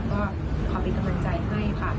ก็ขอเป็นกำลังใจให้ค่ะ